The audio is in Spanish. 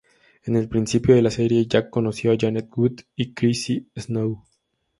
En el principio de la serie, Jack conoció a Janet Wood y Chrissy Snow.